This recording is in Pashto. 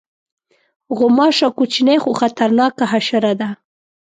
غوماشه کوچنۍ خو خطرناکه حشره ده.